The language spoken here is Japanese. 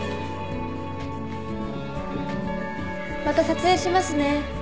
また撮影しますね。